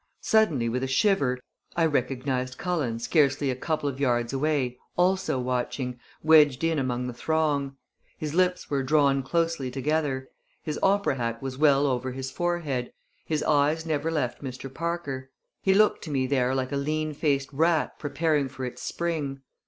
Suddenly, with a shiver, I recognized Cullen, scarcely a couple of yards away, also watching, wedged in among the throng. His lips were drawn closely together; his opera hat was well over his forehead; his eyes never left Mr. Parker. He looked to me there like a lean faced rat preparing for its spring.